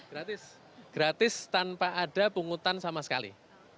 gratis gratis tanpa ada pungutan sama sekali